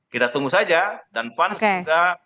kita tunggu saja dan pan juga